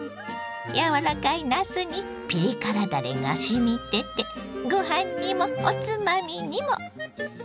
やわらかいなすにピリ辛だれがしみててご飯にもおつまみにも！